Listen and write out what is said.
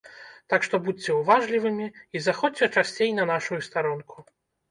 Так што будзьце уважлівымі і заходзьце часцей на нашую старонку!